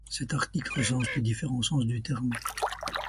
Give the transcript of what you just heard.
Cet article recense les différents sens du terme.